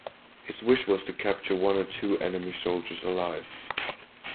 His wish was to capture one or two enemy soldiers alive.